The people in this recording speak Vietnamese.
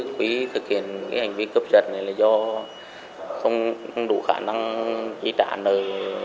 quý thực hiện hành vi cấp giật này là do không đủ khả năng đi trả nơi